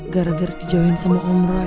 gara gara dijauhin sama om roy